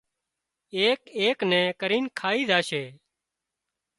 ايڪ ايڪ نين ڪرين کائي زائيش